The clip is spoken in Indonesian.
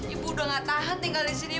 ibu udah gak tahan tinggal di sini